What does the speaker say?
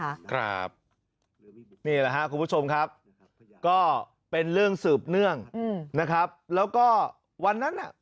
ครับนี่แหละครับคุณผู้ชมครับก็เป็นเรื่องสืบเนื่องอืมนะครับแล้วก็วันนั้นน่ะ